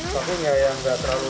tapi ya yang tidak terlalu suat